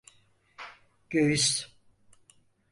Göğüs…